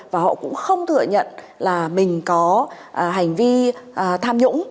và họ cũng không thừa nhận là mình có hành vi tham nhũng